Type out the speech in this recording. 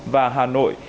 và hà nội